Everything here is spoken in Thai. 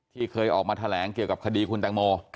เคยออกมาแถลงเกี่ยวกับคดีคุณแตงโม